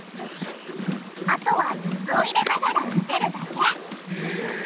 あとは水を入れながら混ぜるだけへぇ。